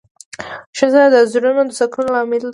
ښځه د زړونو د سکون لامل ده.